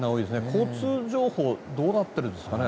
交通情報どうなっているんですかね。